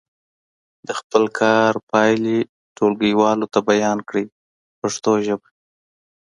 د خپل کار پایلې ټولګیوالو ته بیان کړئ په پښتو ژبه.